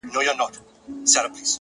د باران ورو کېدل د سکون احساس زیاتوي!